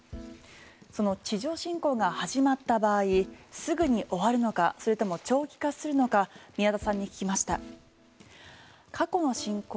その地上侵攻が始まった場合すぐに終わるのかそれとも長期化するのか宮田さんに聞きました。